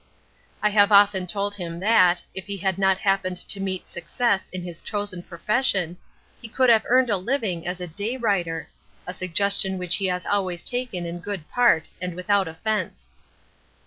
I have often told him that, if he had not happened to meet success in his chosen profession, he could have earned a living as a day writer: a suggestion which he has always taken in good part and without offence.